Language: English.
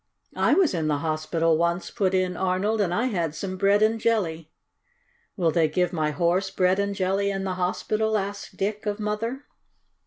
"I was in the hospital once," put in Arnold, "and I had some bread and jelly." "Will they give my Horse bread and jelly in the hospital?" asked Dick of Mother.